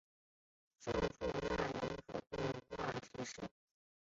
尚博纳人口变化图示